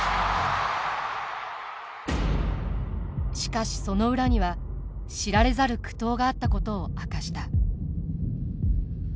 しかしその裏には知られざる苦闘があったことを明かした。